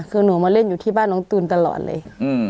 คือหนูมาเล่นอยู่ที่บ้านน้องตูนตลอดเลย